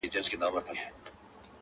نه سل سرى اژدها په گېډه موړ سو.!